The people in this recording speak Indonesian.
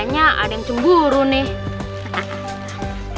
kayaknya ada yang cemburu nih